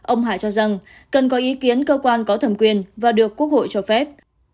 ông hải cho rằng cần có ý kiến cơ quan có thẩm quyền và được quốc hội cho phép